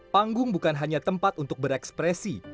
panggung bukan hanya tempat untuk berekspresi